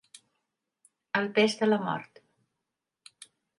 El pes de la mort.